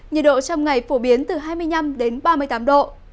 nhiệt độ trong ngày phổ biến từ hai mươi năm đến ba mươi tám độ